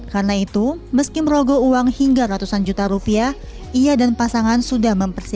karena itu meski merogoh uang hingga ratusan juta rupiah ia dan pasangan sudah memperbaiki